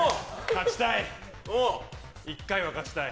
勝ちたい！